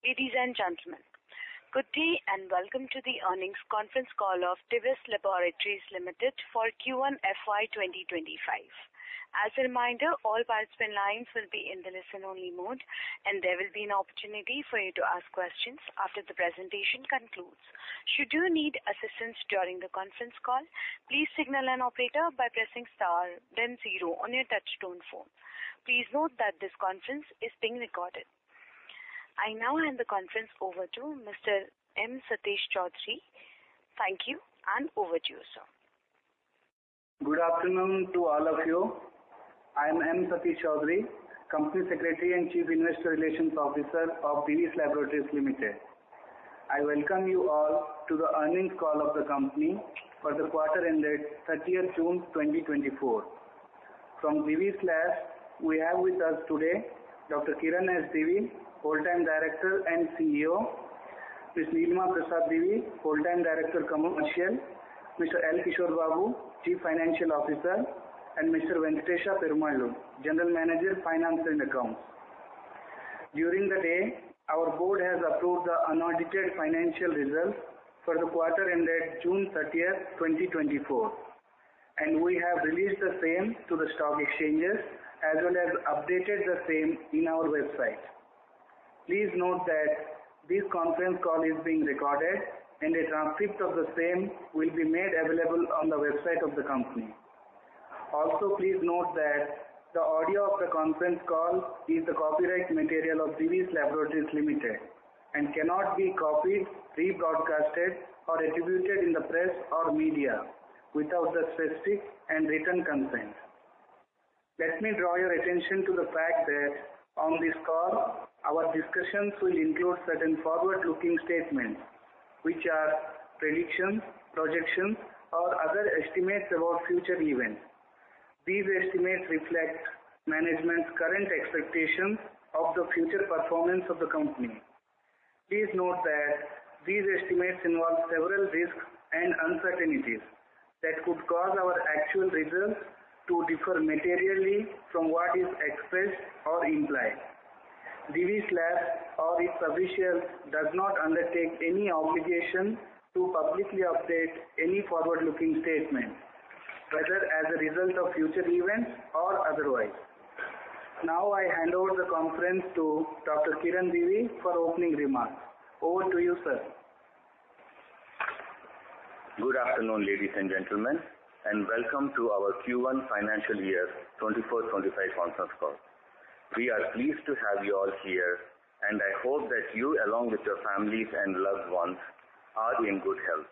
Ladies and gentlemen, good day, and welcome to the earnings conference call of Divi's Laboratories Limited for Q1 FY 2025. As a reminder, all participant lines will be in the listen-only mode, and there will be an opportunity for you to ask questions after the presentation concludes. Should you need assistance during the conference call, please signal an operator by pressing star then zero on your touchtone phone. Please note that this conference is being recorded. I now hand the conference over to Mr. M. Satish Choudhury. Thank you, and over to you, sir. Good afternoon to all of you. I am M. Satish Choudhury, Company Secretary and Chief Investor Relations Officer of Divi's Laboratories Limited. I welcome you all to the earnings call of the company for the quarter ended 30th June 2024. From Divi's Labs, we have with us today Dr. Kiran S. Divi, Whole-Time Director and CEO, Ms. Nilima Prasad Divi, Whole-Time Director, Commercial, Mr. L. Kishore Babu, Chief Financial Officer, and Mr. Venkatesa Perumallu, General Manager, Finance and Accounts. During the day, our board has approved the unaudited financial results for the quarter ended June 30th, 2024, and we have released the same to the stock exchanges, as well as updated the same in our website. Please note that this conference call is being recorded, and a transcript of the same will be made available on the website of the company. Also, please note that the audio of the conference call is the copyright material of Divi's Laboratories Limited and cannot be copied, rebroadcast, or attributed in the press or media without the specific and written consent. Let me draw your attention to the fact that on this call, our discussions will include certain forward-looking statements, which are predictions, projections, or other estimates about future events. These estimates reflect management's current expectations of the future performance of the company. Please note that these estimates involve several risks and uncertainties that could cause our actual results to differ materially from what is expressed or implied. Divi's Lab or its officials does not undertake any obligation to publicly update any forward-looking statement, whether as a result of future events or otherwise. Now, I hand over the conference to Dr. Kiran Divi for opening remarks. Over to you, sir. Good afternoon, ladies and gentlemen, and welcome to our Q1 financial year 2024-2025 conference call. We are pleased to have you all here, and I hope that you, along with your families and loved ones, are in good health.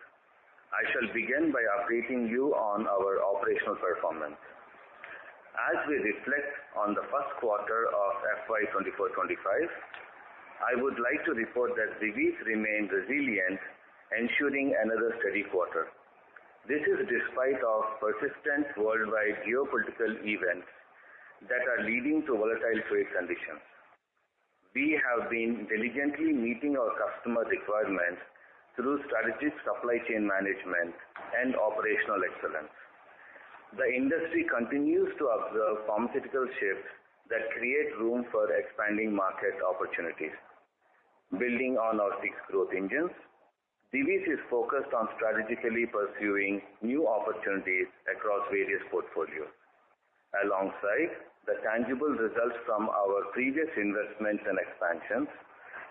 I shall begin by updating you on our operational performance. As we reflect on the first quarter of FY 2024-2025, I would like to report that Divi's remained resilient, ensuring another steady quarter. This is despite of persistent worldwide geopolitical events that are leading to volatile trade conditions. We have been diligently meeting our customer requirements through strategic supply chain management and operational excellence. The industry continues to observe pharmaceutical shifts that create room for expanding market opportunities. Building on our six growth engines, Divi's is focused on strategically pursuing new opportunities across various portfolios. Alongside the tangible results from our previous investments and expansions,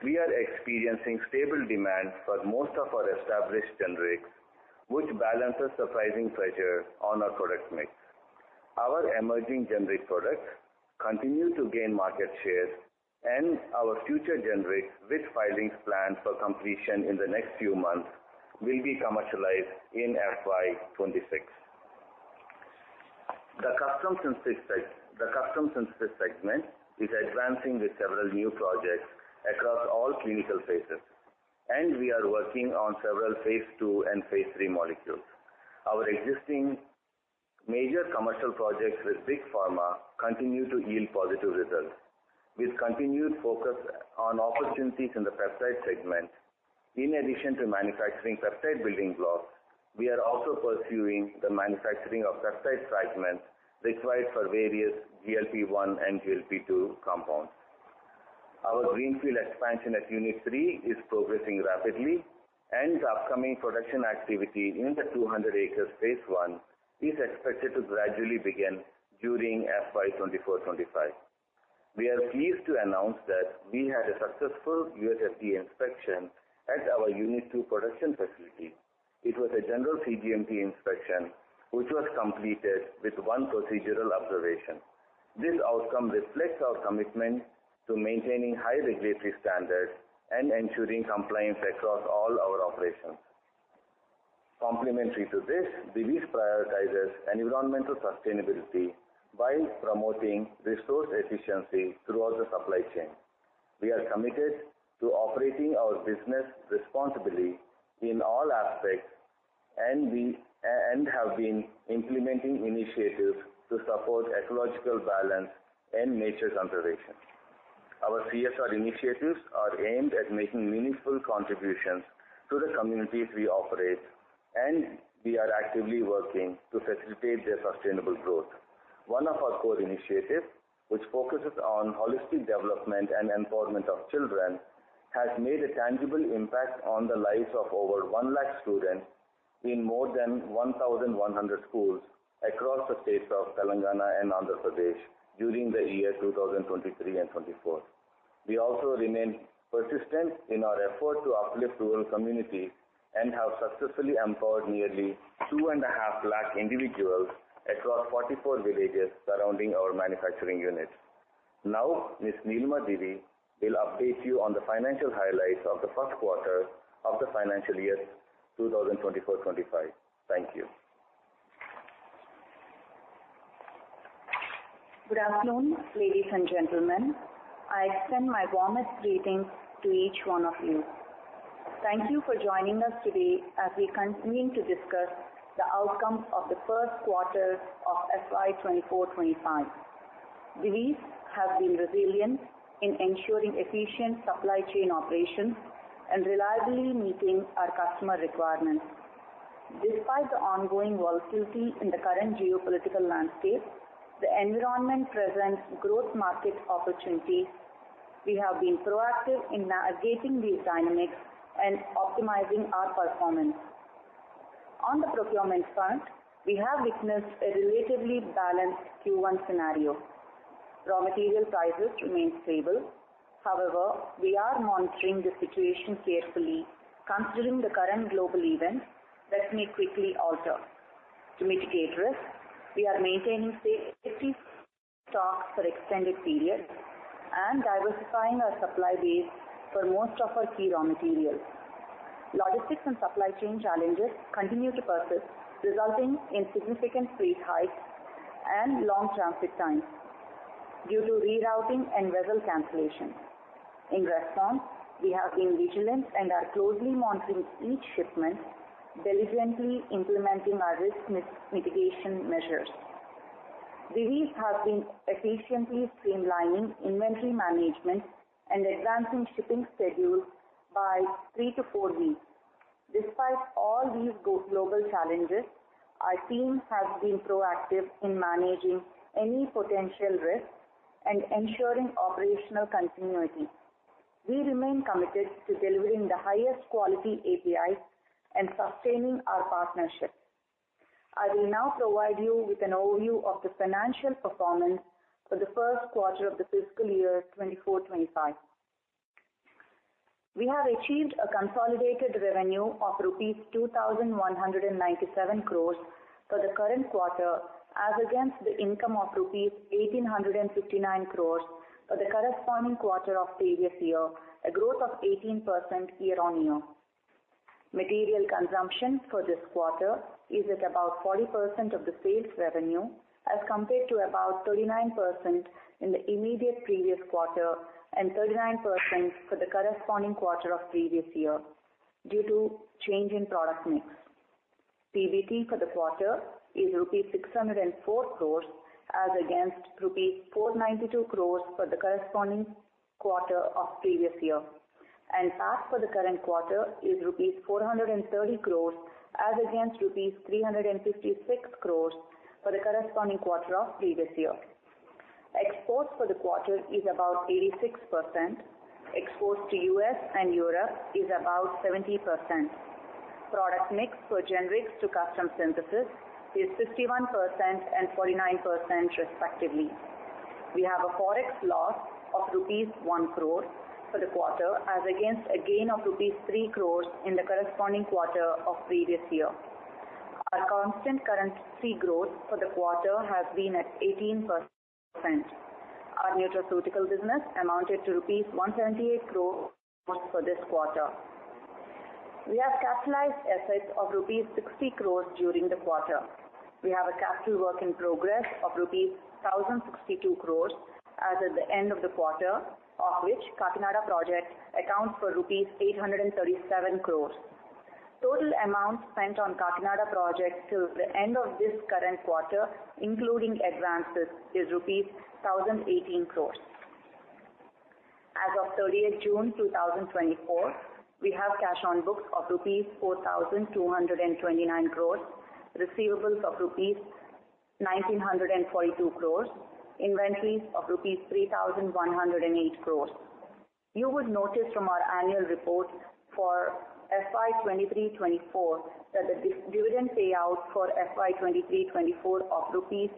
we are experiencing stable demand for most of our established generics, which balances the pricing pressure on our product mix. Our emerging generic products continue to gain market share, and our future generics, with filings planned for completion in the next few months, will be commercialized in FY 2026. The custom synthesis, the custom synthesis segment is advancing with several new projects across all clinical phases, and we are working on several phase II and phase III molecules. Our existing major commercial projects with Big Pharma continue to yield positive results. With continued focus on opportunities in the peptide segment, in addition to manufacturing peptide building blocks, we are also pursuing the manufacturing of peptide fragments required for various GLP-1 and GLP-2 compounds. Our greenfield expansion at Unit 3 is progressing rapidly, and upcoming production activity in the 200 acres phase I is expected to gradually begin during FY 2024-2025. We are pleased to announce that we had a successful USFDA inspection at our Unit 2 production facility. It was a general cGMP inspection, which was completed with one procedural observation. This outcome reflects our commitment to maintaining high regulatory standards and ensuring compliance across all our operations. Complementary to this, Divi's prioritizes environmental sustainability by promoting resource efficiency throughout the supply chain. We are committed to operating our business responsibly in all aspects and we have been implementing initiatives to support ecological balance and nature conservation. Our CSR initiatives are aimed at making meaningful contributions to the communities we operate, and we are actively working to facilitate their sustainable growth. One of our core initiatives, which focuses on holistic development and empowerment of children, has made a tangible impact on the lives of over 100,000 students in more than 1,100 schools across the states of Telangana and Andhra Pradesh during the year 2023 and 2024. We also remain persistent in our effort to uplift rural community and have successfully empowered nearly 250,000 individuals across 44 villages surrounding our manufacturing units. Now, Ms. Nilima Divi will update you on the financial highlights of the first quarter of the financial year 2024-2025. Thank you. Good afternoon, ladies and gentlemen. I extend my warmest greetings to each one of you. Thank you for joining us today as we continue to discuss the outcomes of the first quarter of FY 2024-2025. We have been resilient in ensuring efficient supply chain operations and reliably meeting our customer requirements. Despite the ongoing volatility in the current geopolitical landscape, the environment presents growth market opportunities. We have been proactive in navigating these dynamics and optimizing our performance. On the procurement front, we have witnessed a relatively balanced Q1 scenario. Raw material prices remain stable. However, we are monitoring the situation carefully, considering the current global events that may quickly alter. To mitigate risk, we are maintaining safety stocks for extended periods and diversifying our supply base for most of our key raw materials. Logistics and supply chain challenges continue to persist, resulting in significant freight hikes and long transit times due to rerouting and vessel cancellations. In response, we have been vigilant and are closely monitoring each shipment, diligently implementing our risk mitigation measures. We have been efficiently streamlining inventory management and advancing shipping schedules by three to four weeks. Despite all these global challenges, our teams have been proactive in managing any potential risks and ensuring operational continuity. We remain committed to delivering the highest quality APIs and sustaining our partnerships. I will now provide you with an overview of the financial performance for the first quarter of the fiscal year 2024-2025. We have achieved a consolidated revenue of rupees 2,197 crores for the current quarter, as against the income of rupees 1,859 crores for the corresponding quarter of previous year, a growth of 18% year-on-year. Material consumption for this quarter is at about 40% of the sales revenue, as compared to about 39% in the immediate previous quarter, and 39% for the corresponding quarter of previous year, due to change in product mix. PBT for the quarter is rupees 604 crores, as against rupees 492 crores for the corresponding quarter of previous year. PAT for the current quarter is rupees 430 crores, as against rupees 356 crores for the corresponding quarter of previous year. Exports for the quarter is about 86%. Exports to U.S. and Europe is about 70%. Product mix for generics to custom synthesis is 51% and 49%, respectively. We have a forex loss of rupees 1 crore for the quarter, as against a gain of rupees 3 crores in the corresponding quarter of previous year. Our constant currency growth for the quarter has been at 18%. Our nutraceutical business amounted to rupees 178 crore for this quarter. We have capitalized assets of rupees 60 crores during the quarter. We have a capital work in progress of rupees 1,062 crores as of the end of the quarter, of which Kakinada project accounts for rupees 837 crores. Total amount spent on Kakinada project till the end of this current quarter, including advances, is rupees 1,018 crores. As of 30th June 2024, we have cash on books of rupees 4,229 crores, receivables of rupees 1,942 crores, inventories of rupees 3,108 crores. You would notice from our annual report for FY 2023-2024, that the dividend payout for FY 2023-2024, of rupees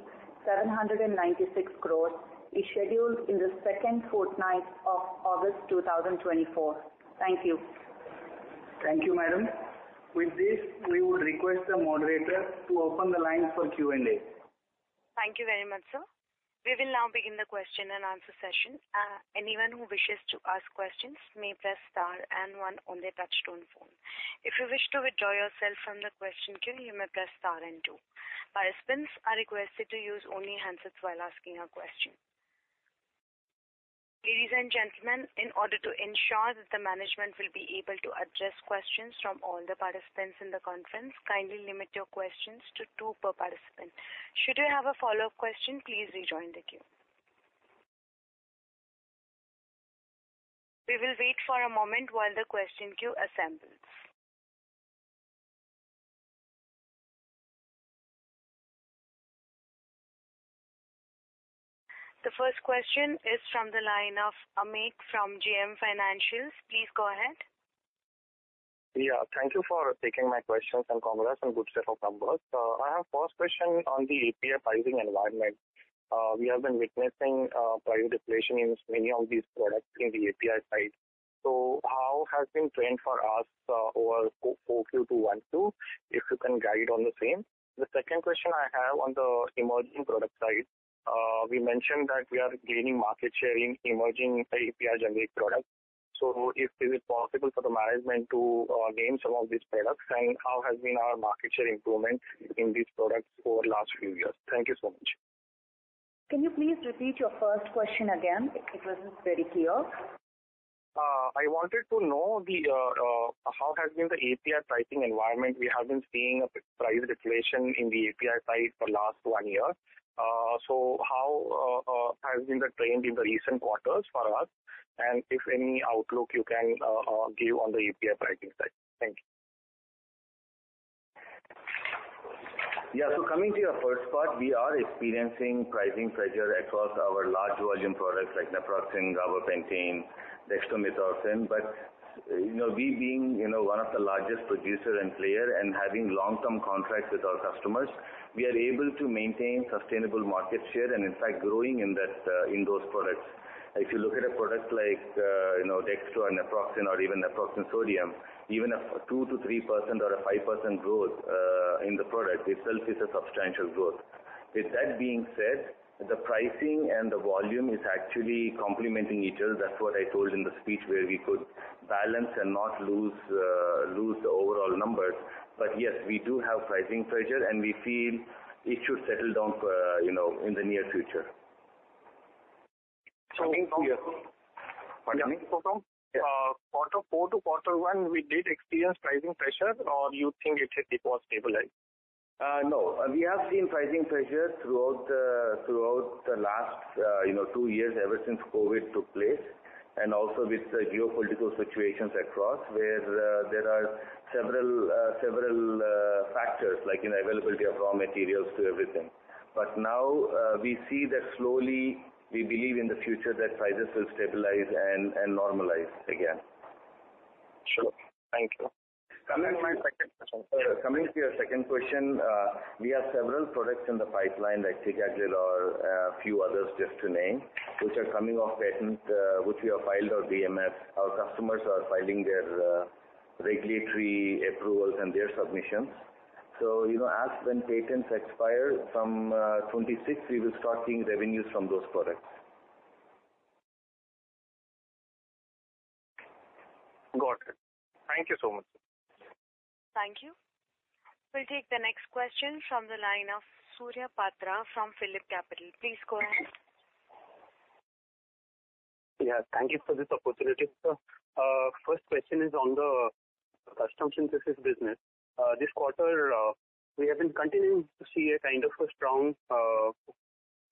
796 crores, is scheduled in the second fortnight of August 2024. Thank you. Thank you, madam. With this, we would request the moderator to open the line for Q&A. Thank you very much, sir. We will now begin the question and answer session. Anyone who wishes to ask questions may press star and one on their touchtone phone. If you wish to withdraw yourself from the question queue, you may press star and two. Participants are requested to use only handsets while asking a question. Ladies and gentlemen, in order to ensure that the management will be able to address questions from all the participants in the conference, kindly limit your questions to two per participant. Should you have a follow-up question, please rejoin the queue. We will wait for a moment while the question queue assembles. The first question is from the line of Amit from JM Financial. Please go ahead. Yeah, thank you for taking my questions, and congratulations on good set of numbers. I have first question on the API pricing environment. We have been witnessing, price deflation in many of these products in the API side. So how has been trend for us, over 4Q to Q1 Q2, if you can guide on the same? The second question I have on the emerging product side, we mentioned that we are gaining market share in emerging API generic products. So if it is possible for the management to name some of these products, and how has been our market share improvement in these products over the last few years? Thank you so much. Can you please repeat your first question again? It wasn't very clear. I wanted to know how has been the API pricing environment. We have been seeing a price deflation in the API side for last one year. So how has been the trend in the recent quarters for us, and if any outlook you can give on the API pricing side? Thank you. Yeah. So coming to your first part, we are experiencing pricing pressure across our large volume products like naproxen, gabapentin, dextromethorphan. But, you know, we being, you know, one of the largest producer and player and having long-term contracts with our customers, we are able to maintain sustainable market share, and in fact, growing in that, in those products. If you look at a product like, you know, dextro, and naproxen, or even naproxen sodium, even a 2%-3% or a 5% growth, in the product itself is a substantial growth. With that being said, the pricing and the volume is actually complementing each other. That's what I told in the speech, where we could balance and not lose, lose the overall numbers. But yes, we do have pricing pressure, and we feel it should settle down, you know, in the near future. Coming from- Pardon me? Yeah. So from quarter four to quarter one, we did experience pricing pressure, or you think it has been stabilized? No. We have seen pricing pressure throughout the last, you know, two years, ever since COVID took place, and also with the geopolitical situations across, where there are several factors, like in availability of raw materials to everything. But now, we see that slowly, we believe in the future, that prices will stabilize and normalize again. Sure. Thank you. Coming to my second question. Coming to your second question, we have several products in the pipeline, like ticagrelor, a few others, just to name, which are coming off patent, which we have filed our DMFs. Our customers are filing their regulatory approvals and their submissions. So, you know, as when patents expire from 2026, we will start seeing revenues from those products. Got it. Thank you so much. Thank you. We'll take the next question from the line of Surya Patra from PhillipCapital. Please go ahead. Yeah, thank you for this opportunity, sir. First question is on the custom synthesis business. This quarter, we have been continuing to see a kind of a strong,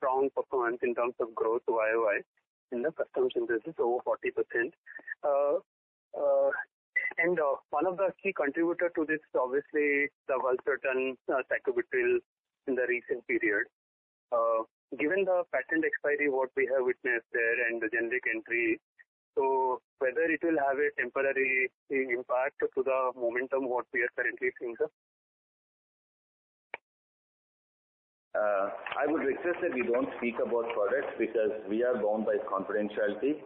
strong performance in terms of growth YoY in the custom synthesis, over 40%. And, one of the key contributor to this is obviously the valsartan API material in the recent period. Given the patent expiry, what we have witnessed there and the generic entry, so whether it will have a temporary impact to the momentum, what we are currently seeing, sir? I would request that we don't speak about products because we are bound by confidentiality.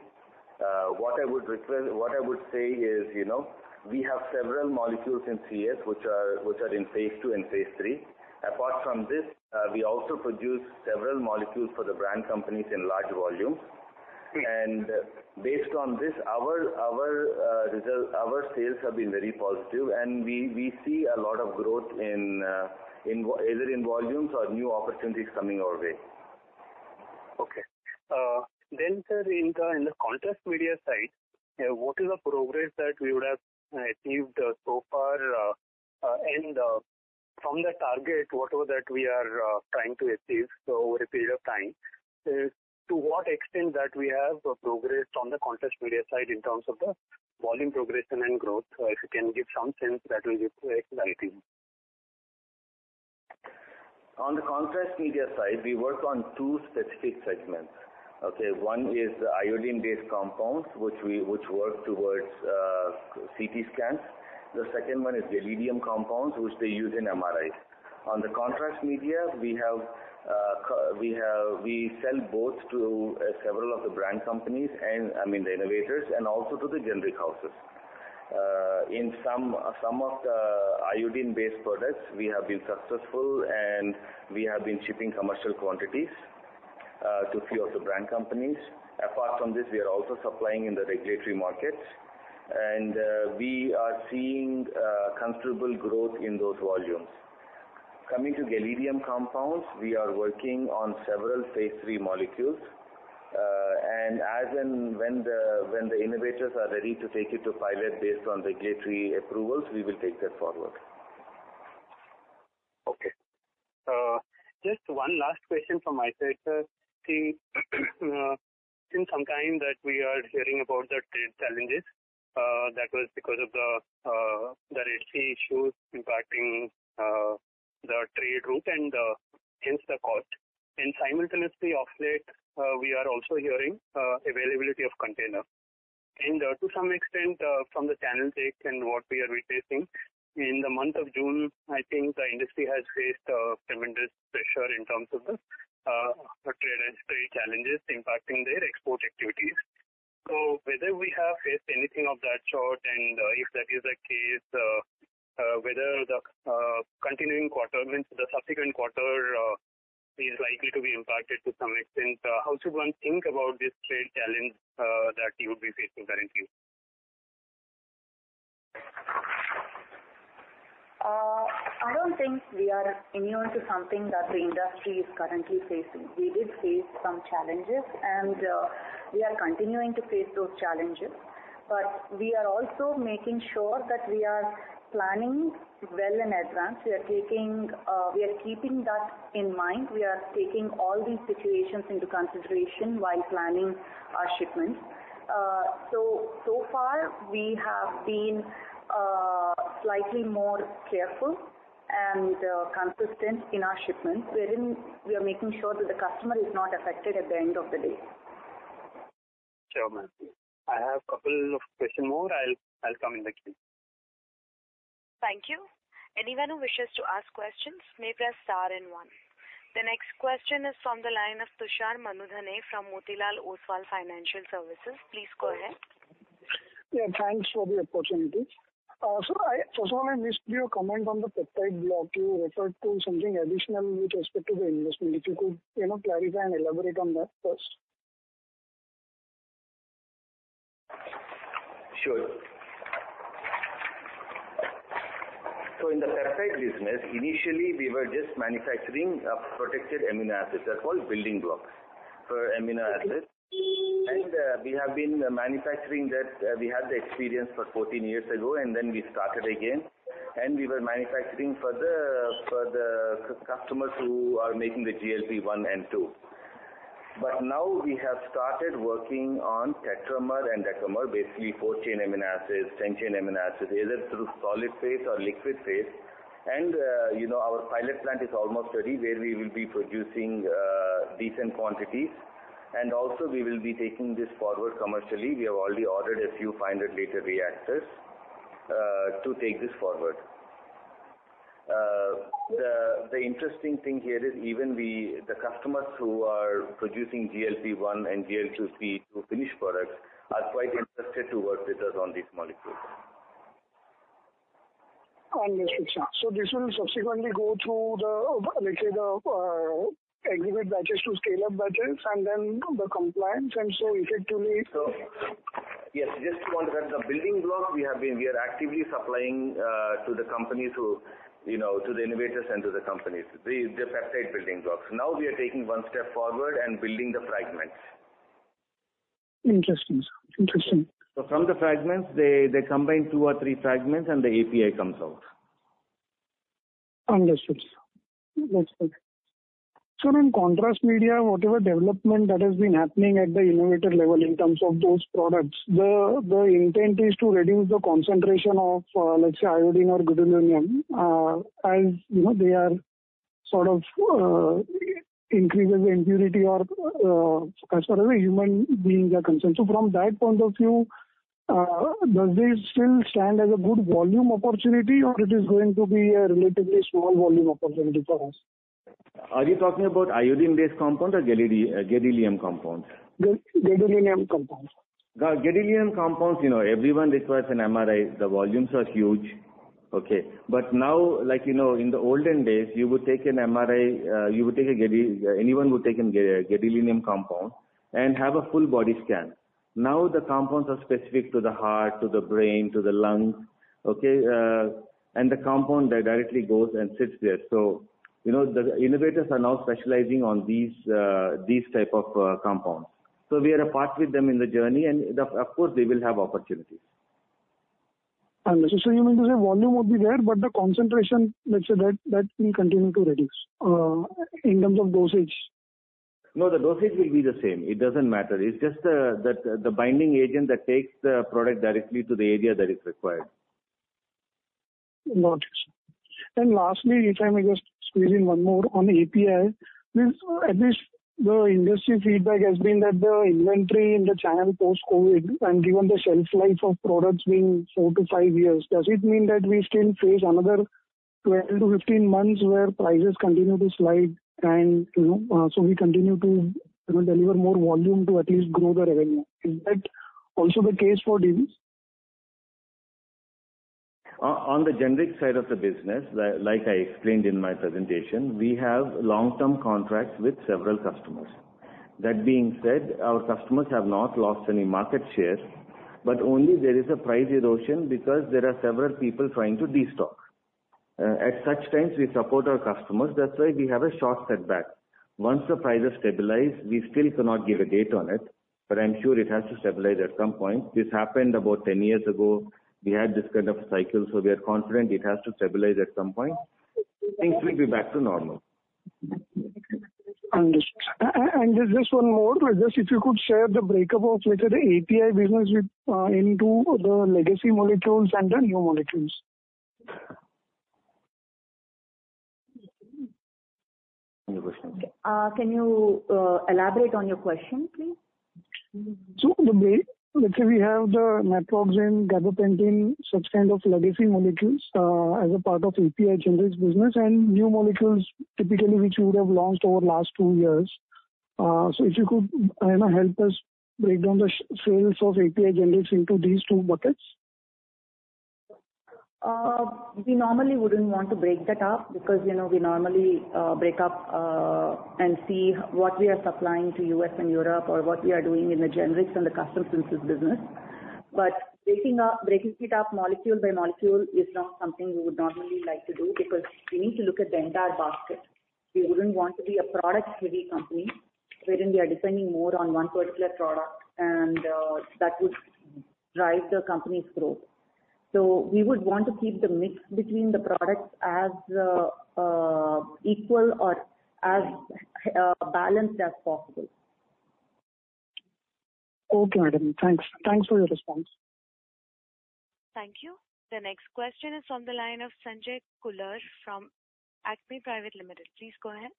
What I would request, what I would say is, you know, we have several molecules in CS, which are, which are in phase II and phase III. Apart from this, we also produce several molecules for the brand companies in large volumes. Okay. Based on this, our results, our sales have been very positive, and we see a lot of growth in either volumes or new opportunities coming our way. Okay. Then, sir, in the contrast media side, what is the progress that we would have achieved so far, and from the target, whatever that we are trying to achieve, so over a period of time, to what extent that we have progressed on the contrast media side in terms of the volume progression and growth? If you can give some sense, that will be quite rightly. On the contrast media side, we work on two specific segments, okay? One is the iodine-based compounds, which work towards CT scans. The second one is the gadolinium compounds, which they use in MRIs. On the contrast media, we have we sell both to several of the brand companies and, I mean, the innovators, and also to the generic houses. In some, some of the iodine-based products, we have been successful, and we have been shipping commercial quantities to few of the brand companies. Apart from this, we are also supplying in the regulatory markets, and we are seeing considerable growth in those volumes. Coming to gadolinium compounds, we are working on several phase III molecules, and as and when the innovators are ready to take it to pilot based on regulatory approvals, we will take that forward. Just one last question from my side, sir. I think, for some time that we are hearing about the trade challenges, that was because of the, the Red Sea issues impacting, the trade route and, hence the cost. And simultaneously, of late, we are also hearing, availability of container. And, to some extent, from the channel checks and what we are hearing, in the month of June, I think the industry has faced a tremendous pressure in terms of the Red Sea challenges impacting their export activities. So, whether we have faced anything of that sort, and, if that is the case, whether the continuing quarter, means the subsequent quarter, is likely to be impacted to some extent, how should one think about this trade challenge, that you would be facing currently? I don't think we are immune to something that the industry is currently facing. We did face some challenges, and we are continuing to face those challenges, but we are also making sure that we are planning well in advance. We are taking. We are keeping that in mind. We are taking all these situations into consideration while planning our shipments. So, so far, we have been slightly more careful and consistent in our shipments, wherein we are making sure that the customer is not affected at the end of the day. Sure, ma'am. I have a couple more questions. I'll, I'll come in the queue. Thank you. Anyone who wishes to ask questions, may press star and one. The next question is from the line of Tushar Manudhane from Motilal Oswal Financial Services. Please go ahead. Yeah, thanks for the opportunity. So I, first of all, I missed your comment on the peptide block. You referred to something additional with respect to the investment. If you could, you know, clarify and elaborate on that first. Sure. So in the peptide business, initially we were just manufacturing protected amino acids. That's called building blocks for amino acids. And we have been manufacturing that. We had the experience 14 years ago, and then we started again, and we were manufacturing for the customers who are making the GLP-1 and GLP-2. But now we have started working on tetramer and decamer, basically 4-chain amino acids, 10-chain amino acids, either through solid phase or liquid phase. And you know, our pilot plant is almost ready, where we will be producing decent quantities. And also we will be taking this forward commercially. We have already ordered a few 500 L reactors to take this forward. The interesting thing here is, even the customers who are producing GLP-1 and GLP-2 to finished products are quite interested to work with us on these molecules. Understood, sir. So this will subsequently go through the, let's say, the exhibit batches to scale-up batches and then the compliance, and so effectively- Yes, just to point that the building block, we are actively supplying to the company, through, you know, to the innovators and to the companies, the peptide building blocks. Now, we are taking one step forward and building the fragments. Interesting, sir. Interesting. From the fragments, they combine two or three fragments and the API comes out. Understood, sir. That's it. So in contrast media, whatever development that has been happening at the innovator level in terms of those products, the intent is to reduce the concentration of, let's say, iodine or gadolinium, as you know, they are sort of increases the impurity or, as far as the human beings are concerned. So from that point of view, does this still stand as a good volume opportunity, or it is going to be a relatively small volume opportunity for us? Are you talking about iodine-based compound or gadolinium compound? Gadolinium compound. The gadolinium compounds, you know, everyone requires an MRI. The volumes are huge, okay? But now, like, you know, in the olden days, you would take an MRI, you would take a gadolinium compound and have a full body scan. Now, the compounds are specific to the heart, to the brain, to the lungs, okay? And the compound that directly goes and sits there. So, you know, the innovators are now specializing on these, these type of, compounds. So we are a part with them in the journey, and of course, they will have opportunities. Understood. So you mean to say volume would be there, but the concentration, let's say that, that will continue to reduce in terms of dosage? No, the dosage will be the same. It doesn't matter. It's just the binding agent that takes the product directly to the area that is required. Got it, sir. And lastly, if I may just squeeze in one more on API, this, at least the industry feedback has been that the inventory in the channel post-COVID, and given the shelf life of products being 4-5 years, does it mean that we still face another 12-15 months where prices continue to slide and, you know, so we continue to, you know, deliver more volume to at least grow the revenue? Is that also the case for Divi's? On the generic side of the business, like I explained in my presentation, we have long-term contracts with several customers. That being said, our customers have not lost any market share, but only there is a price erosion, because there are several people trying to destock. At such times, we support our customers. That's why we have a short setback.... Once the prices stabilize, we still cannot give a date on it, but I'm sure it has to stabilize at some point. This happened about 10 years ago. We had this kind of cycle, so we are confident it has to stabilize at some point. Things will be back to normal. Understood. And just one more, just if you could share the breakup of, let's say, the API business with into the legacy molecules and the new molecules. Any question? Can you elaborate on your question, please? So let's say we have the naproxen, gabapentin, such kind of legacy molecules as a part of API Generics business, and new molecules typically, which you would have launched over the last two years. So if you could, you know, help us break down the sales of API Generics into these two buckets. We normally wouldn't want to break that up, because, you know, we normally break up and see what we are supplying to U.S. and Europe or what we are doing in the generics and the custom synthesis business. But breaking it up molecule by molecule is not something we would normally like to do, because we need to look at the entire basket. We wouldn't want to be a product-heavy company, wherein we are depending more on one particular product and that would drive the company's growth. So we would want to keep the mix between the products as equal or as balanced as possible. Okay, madam. Thanks. Thanks for your response. Thank you. The next question is on the line of Sanjay Kular from ACME Private Limited. Please go ahead.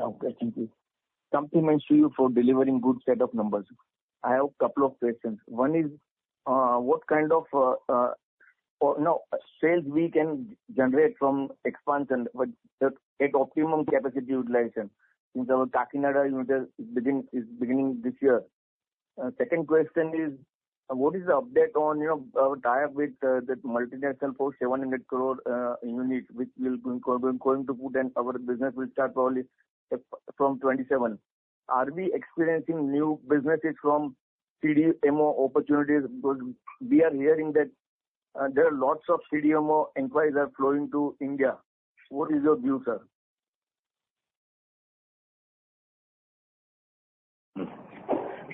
Okay, thank you. Compliments to you for delivering good set of numbers. I have a couple of questions. One is, what kind of sales we can generate from expansion, but at optimum capacity utilization, since our Kakinada unit is beginning this year. Second question is, what is the update on, you know, tie-up with the multinational for 700 crore unit, which will be going to put and our business will start probably from 2027. Are we experiencing new businesses from CDMO opportunities? Because we are hearing that, there are lots of CDMO inquiries are flowing to India. What is your view, sir?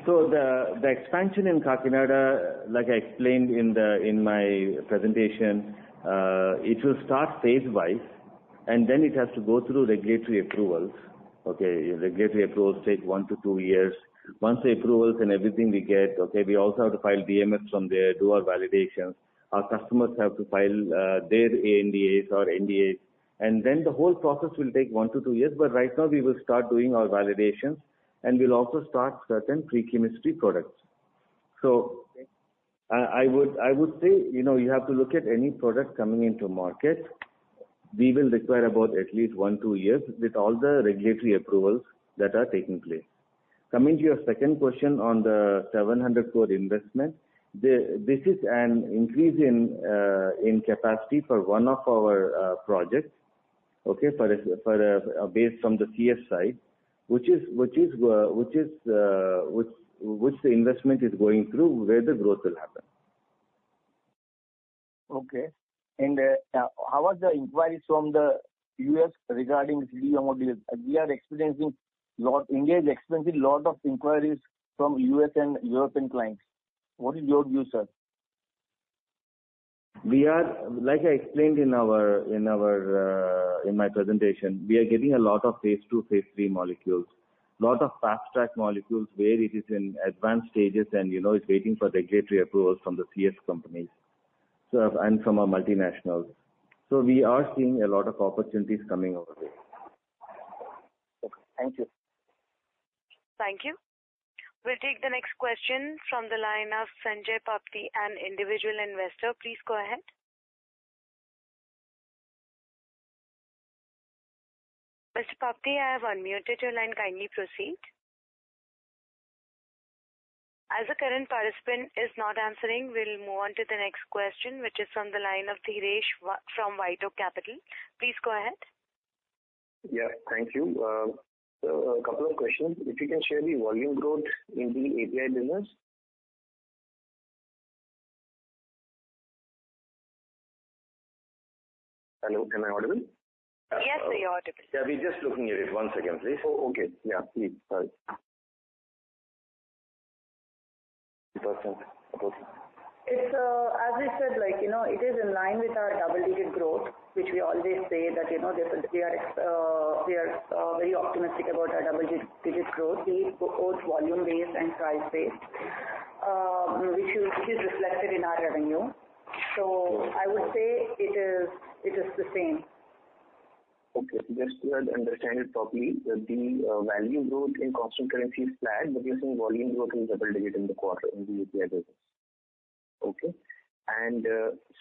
So the expansion in Kakinada, like I explained in the, in my presentation, it will start phase-wise, and then it has to go through regulatory approvals. Okay, regulatory approvals take 1-2 years. Once the approvals and everything we get, okay, we also have to file DMFs from there, do our validations. Our customers have to file their ANDAs or NDAs, and then the whole process will take 1-2 years. But right now we will start doing our validations, and we'll also start certain pre-chemistry products. So I would say, you know, you have to look at any product coming into market. We will require about at least 1-2 years with all the regulatory approvals that are taking place. Coming to your second question on the 700 crore investment, this is an increase in capacity for one of our projects, okay, for a based on the CS side, which the investment is going through, where the growth will happen. Okay. And how are the inquiries from the U.S. regarding CDMO deals? India is experiencing lot of inquiries from U.S. and European clients. What is your view, sir? We are. Like I explained in our, in my presentation, we are getting a lot of phase II, phase III molecules, a lot of fast-track molecules where it is in advanced stages and, you know, it's waiting for regulatory approvals from the CS companies, so, and from our multinationals. So we are seeing a lot of opportunities coming our way. Okay, thank you. Thank you. We'll take the next question from the line of Sanjay Papti, an individual investor. Please go ahead. Mr. Papti, I have unmuted your line. Kindly proceed. As the current participant is not answering, we'll move on to the next question, which is from the line of Dheeresh from WhiteOak Capital. Please go ahead. Yeah, thank you. So a couple of questions. If you can share the volume growth in the API business? Hello, am I audible? Yes, you're audible. Yeah, we're just looking at it. One second, please. Oh, okay. Yeah, please. Sorry. Percent approximately. It's, as I said, like, you know, it is in line with our double-digit growth, which we always say that, you know, that we are very optimistic about our double-digit growth, both volume-based and price-based, which is reflected in our revenue. So I would say it is the same. Okay. Just to understand it properly, the volume growth in constant currency is flat, but you're seeing volume growth in double-digit in the quarter in the API business. Okay. And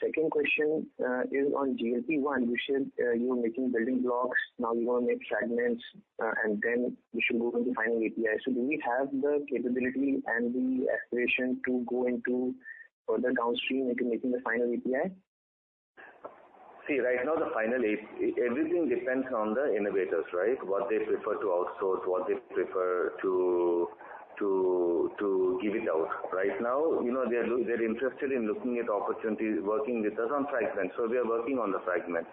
second question is on GLP-1, you said you are making building blocks, now you want to make fragments, and then you should move on to final API. So do we have the capability and the aspiration to go into further downstream into making the final API? See, right now, the final API everything depends on the innovators, right? What they prefer to outsource, what they prefer to give it out. Right now, you know, they're interested in looking at opportunities working with us on fragments, so we are working on the fragment.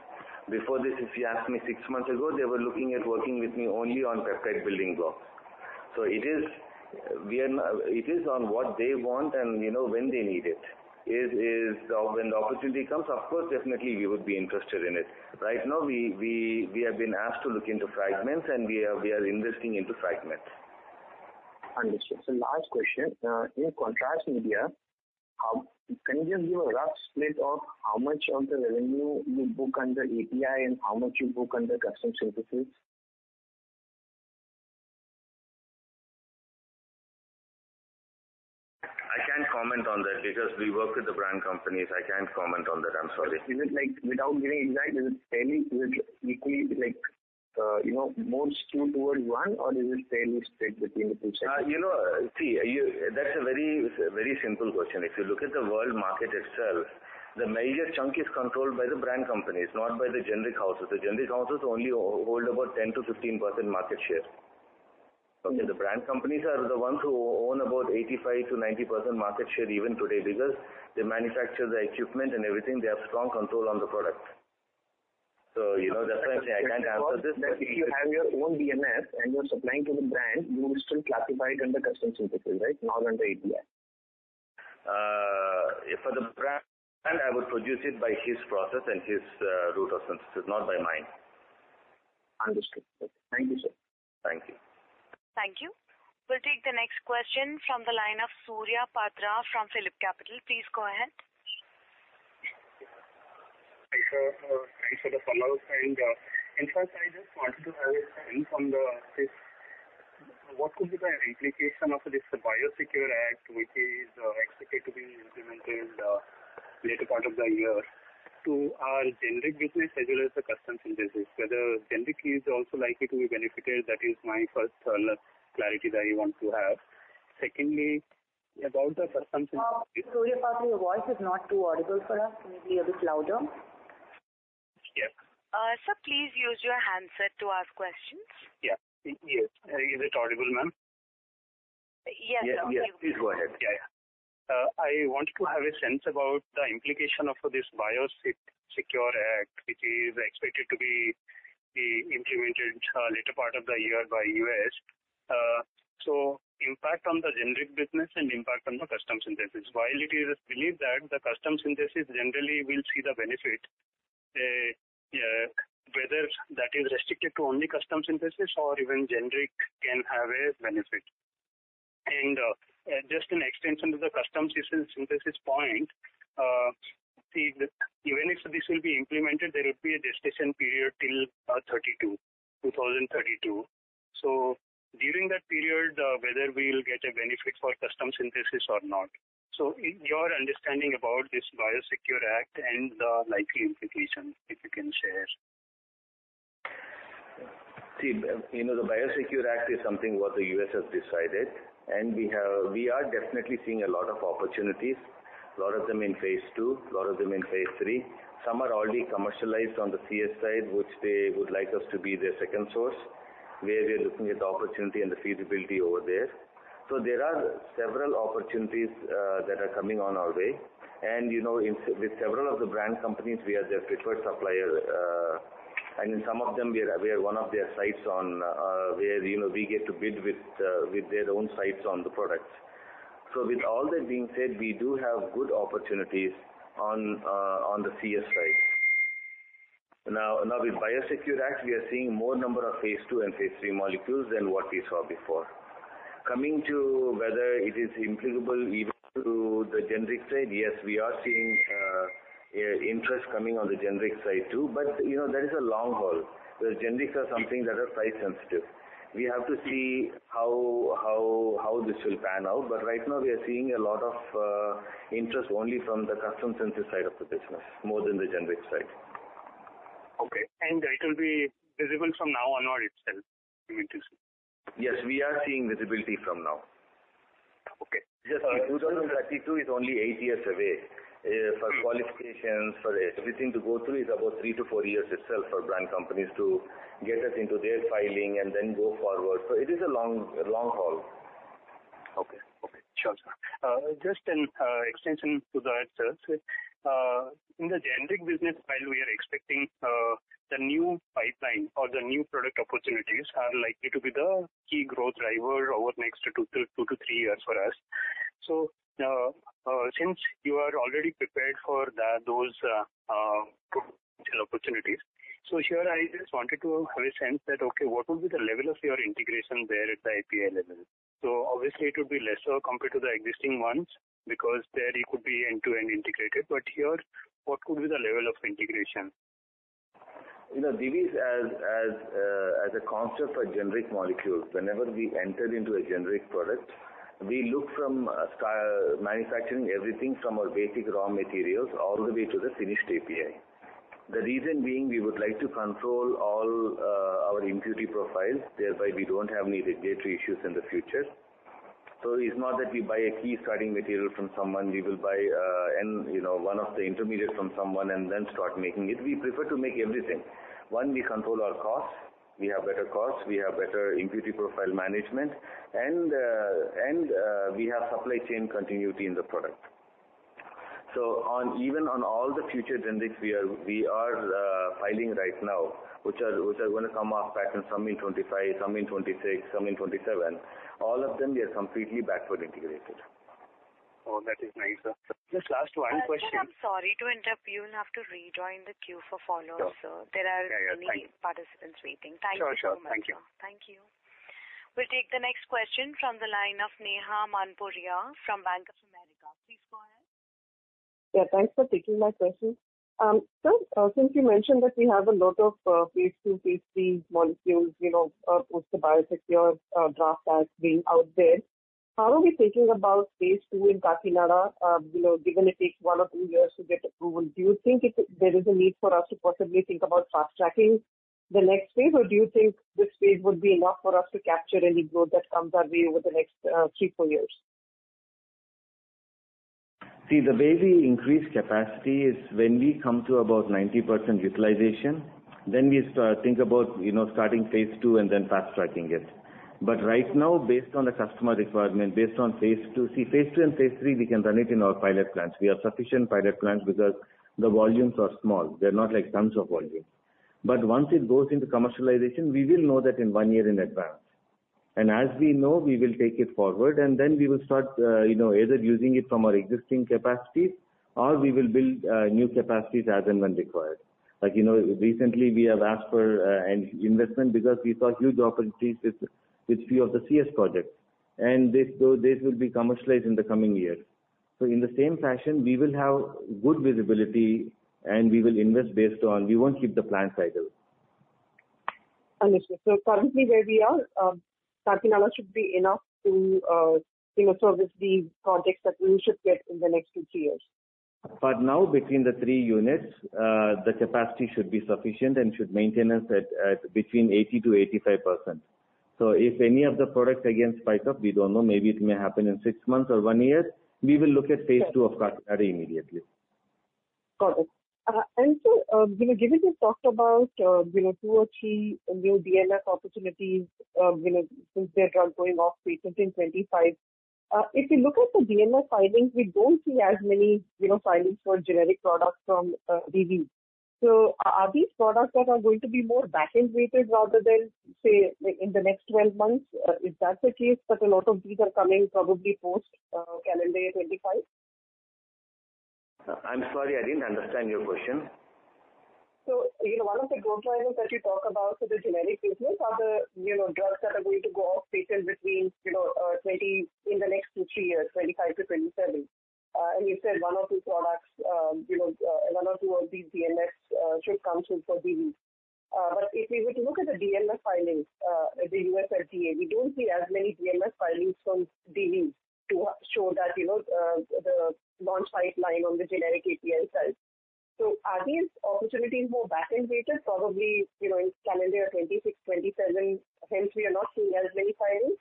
Before this, if you asked me six months ago, they were looking at working with me only on peptide building blocks. So it is on what they want and, you know, when they need it. When the opportunity comes, of course, definitely we would be interested in it. Right now, we have been asked to look into fragments, and we are investing into fragments. Understood. So last question. In contrast media, can you just give a rough split of how much of the revenue you book under API and how much you book under custom synthesis? I can't comment on that because we work with the brand companies. I can't comment on that. I'm sorry. Is it like, without getting inside, is it fairly, is it equally, like, you know, more skewed toward one, or is it fairly split between the two sides? You know, see, you. That's a very, very simple question. If you look at the world market itself, the major chunk is controlled by the brand companies, not by the generic houses. The generic houses only hold about 10%-15% market share. Okay? The brand companies are the ones who own about 85%-90% market share even today, because they manufacture the equipment and everything. They have strong control on the product. So, you know, definitely, I can't answer this question. If you have your own BMS and you're supplying to the brand, you will still classify it under custom synthesis, right? Not under API. For the brand, I would produce it by his process and his route of synthesis, not by mine. Understood. Thank you, sir. Thank you. Thank you. We'll take the next question from the line of Surya Patra from PhillipCapital. Please go ahead. Thanks for the comments. And, in fact, I just wanted to have a sense on the this, what could be the implication of this BIOSECURE Act, which is expected to be implemented, later part of the year, to our generic business as well as the custom synthesis? Whether generic is also likely to be benefited, that is my first clarity that I want to have. Secondly, about the custom synthesis- Surya Patra, your voice is not too audible for us. Can you be a bit louder? Yes. Sir, please use your handset to ask questions. Yeah. Yes. Is it audible, ma'am? Yes. Yes, please go ahead. Yeah, yeah. I want to have a sense about the implication of this BIOSECURE Act, which is expected to be implemented later part of the year by U.S. So impact on the generic business and impact on the custom synthesis. While it is believed that the custom synthesis generally will see the benefit, whether that is restricted to only custom synthesis or even generic can have a benefit. And just an extension to the custom synthesis point, even if this will be implemented, there will be a transition period till 2032. So during that period, whether we'll get a benefit for custom synthesis or not. So your understanding about this BIOSECURE Act and the likely implications, if you can share. See, you know, the BIOSECURE Act is something what the U.S. has decided, and we have—we are definitely seeing a lot of opportunities, a lot of them in phase II, a lot of them in phase III. Some are already commercialized on the CS side, which they would like us to be their second source, where we are looking at the opportunity and the feasibility over there. So there are several opportunities that are coming on our way. And, you know, in, with several of the brand companies, we are their preferred supplier, and in some of them, we are, we are one of their sites on, where, you know, we get to bid with, with their own sites on the products. So with all that being said, we do have good opportunities on, on the CS side. Now, with BIOSECURE Act, we are seeing more number of phase II and phase III molecules than what we saw before. Coming to whether it is applicable even to the generic side, yes, we are seeing interest coming on the generic side, too. But, you know, that is a long haul. The generics are something that are price sensitive. We have to see how this will pan out. But right now we are seeing a lot of interest only from the custom synthesis side of the business, more than the generic side. Okay. It will be visible from now on or itself, implemented? Yes, we are seeing visibility from now. Okay. Just 2032 is only eight years away. For qualifications, for everything to go through, is about three to four years itself for brand companies to get us into their filing and then go forward. So it is a long, long haul. Okay. Okay. Sure, sir. Just an extension to that itself. In the generic business, while we are expecting, the new pipeline or the new product opportunities are likely to be the key growth driver over the next two to three years for us. So, since you are already prepared for those opportunities. So here I just wanted to have a sense that, okay, what would be the level of your integration there at the API level? So obviously, it would be lesser compared to the existing ones, because there it could be end-to-end integrated. But here, what could be the level of integration? You know, Divi's as a concept for generic molecules, whenever we enter into a generic product, we look from manufacturing everything from our basic raw materials all the way to the finished API. The reason being, we would like to control all our impurity profiles, thereby we don't have any regulatory issues in the future. So it's not that we buy a key starting material from someone, we will buy, you know, one of the intermediates from someone and then start making it. We prefer to make everything. One, we control our costs, we have better costs, we have better impurity profile management, and we have supply chain continuity in the product. Even on all the future trends, we are filing right now, which are going to come off patent, some in 2025, some in 2026, some in 2027. All of them, we are completely backward integrated. Oh, that is nice, sir. Just last one question- Sir, I'm sorry to interrupt you. You'll have to rejoin the queue for follow-up, sir. Sure. There are many- Yeah, yeah. Thank you. Participants waiting. Thank you so much. Sure, sure. Thank you. Thank you. We'll take the next question from the line of Neha Manpuria from Bank of America. Please go ahead. Yeah, thanks for taking my question. Sir, since you mentioned that we have a lot of phase II, phase III molecules, you know, with the BIOSECURE draft as being out there, how are we thinking about phase II in Kakinada? You know, given it takes one or two years to get approval, do you think it, there is a need for us to possibly think about fast-tracking the next phase? Or do you think this phase would be enough for us to capture any growth that comes our way over the next three, four years? See, the way we increase capacity is when we come to about 90% utilization, then we start think about, you know, starting phase II and then fast-tracking it. But right now, based on the customer requirement, based on phase II. See, phase II and phase III, we can run it in our pilot plants. We have sufficient pilot plants because the volumes are small. They're not like tons of volume. But once it goes into commercialization, we will know that in one year in advance. And as we know, we will take it forward, and then we will start, you know, either using it from our existing capacities or we will build new capacities as and when required. Like, you know, recently we have asked for an investment because we saw huge opportunities with few of the CS projects, and those will be commercialized in the coming years. So in the same fashion, we will have good visibility, and we will invest based on... We won't keep the plant idle. Understood. Currently, where we are, Kakinada should be enough to, you know, service the projects that we should get in the next 2-3 years. But now between the three units, the capacity should be sufficient and should maintain us at between 80%-85%. So if any of the products again spike up, we don't know, maybe it may happen in six months or one year, we will look at phase II of Kakinada immediately. Got it. And so, you know, given you talked about, you know, two or three new DMF opportunities, you know, since they're going off recently in 2025. If you look at the DMF filings, we don't see as many, you know, filings for generic products from Divi's. So are these products that are going to be more back-end weighted rather than, say, in the next twelve months? If that's the case, but a lot of these are coming probably post calendar 2025. I'm sorry, I didn't understand your question. So, you know, one of the growth drivers that you talk about for the generic business are the, you know, drugs that are going to go off patent between, you know, twenty, in the next two, three years, 2025-2027. And you said one or two products, you know, one or two of these DMFs should come through for DB. But if we were to look at the DMF filings, the U.S. FDA, we don't see as many DMF filings from DB to show that, you know, the launch pipeline on the generic API side. So are these opportunities more back-end weighted, probably, you know, in calendar 2026-2027? Hence, we are not seeing as many filings.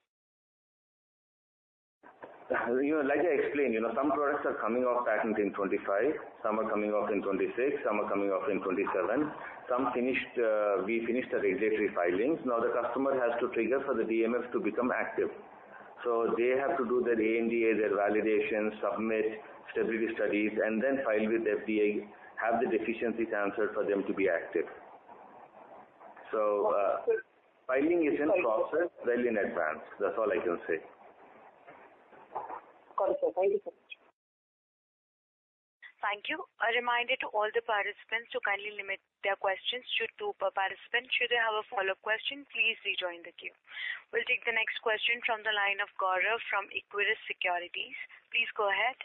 You know, like I explained, you know, some products are coming off patent in 2025, some are coming off in 2026, some are coming off in 2027. Some finished, we finished the regulatory filings. Now, the customer has to trigger for the DMF to become active. So they have to do their ANDA, their validation, submit stability studies, and then file with FDA, have the deficiencies answered for them to be active. Uh, sir- Filing is in process, well in advance. That's all I can say. Got it, sir. Thank you so much. Thank you. A reminder to all the participants to kindly limit their questions to two per participant. Should you have a follow-up question, please rejoin the queue. We'll take the next question from the line of Gaurav from Equirus Securities. Please go ahead.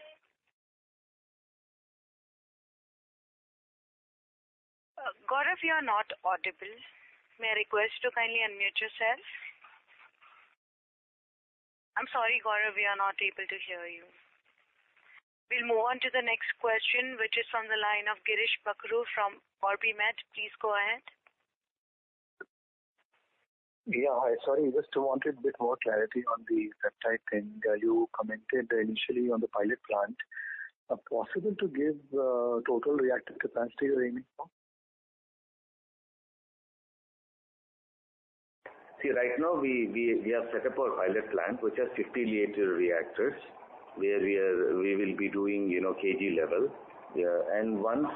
Gaurav, you are not audible. May I request you to kindly unmute yourself? I'm sorry, Gaurav, we are not able to hear you. We'll move on to the next question, which is from the line of Girish Bakhru from OrbiMed. Please go ahead. Yeah, hi. Sorry. Just wanted a bit more clarity on the peptide thing. You commented initially on the pilot plant. Possible to give total reactor capacity you're aiming for? See, right now, we have set up our pilot plant, which has 50 L reactors, where we will be doing, you know, kg level. And once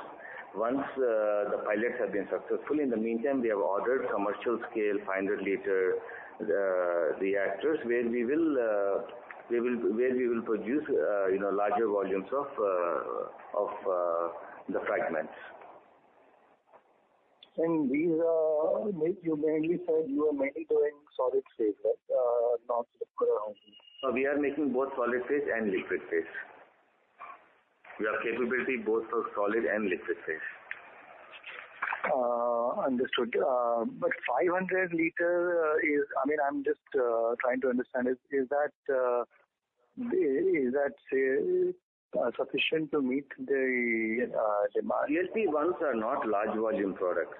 the pilots have been successful, in the meantime, we have ordered commercial scale, 100 L reactors, where we will produce, you know, larger volumes of the fragments. These are, you mainly said you are mainly doing solid phase, right? Not liquid. We are making both solid phase and liquid phase. We have capability both for solid and liquid phase. Understood. But 500 L is, I mean, I'm just trying to understand, is that, say, sufficient to meet the demand? GLP-1s are not large volume products.